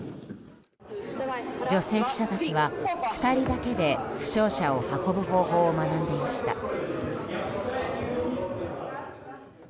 女性記者たちは、２人だけで負傷者を運ぶ方法を学んでいました。